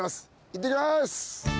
いってきます。